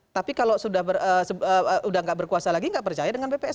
tapi kalau sudah tidak berkuasa lagi nggak percaya dengan bps